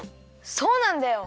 そうなんだよ。